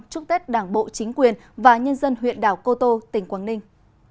chúc tết đảng bộ chính quyền và nhân dân huyện đảo cô tô tỉnh quảng ninh